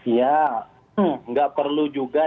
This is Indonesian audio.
ya nggak perlu juga